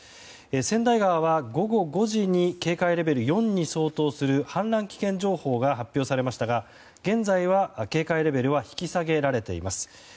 千代川は午後５時に警戒レベル４に相当する氾濫危険情報が発表されましたが現在は警戒レベルは引き下げられています。